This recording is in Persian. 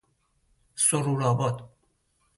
سرور ﺁباد